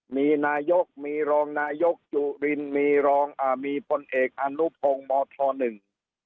มีนายกมีรองนายกจุรินมีรองอ่ามีพลเอกอนุพงศ์มธหนึ่ง